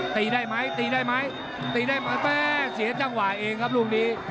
ตีได้ไหมตีได้ไหมตีได้ไหมแม่เสียจังหวะเองครับลูกนี้